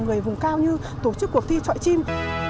người vùng cao như tổ chức cuộc thi trọi chim